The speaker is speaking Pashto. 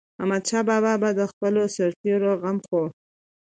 احمدشاه بابا به د خپلو سرتيرو غم خوړ.